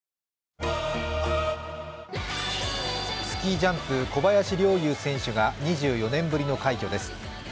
スキージャンプ・小林陵侑選手が２４年ぶりの快挙です。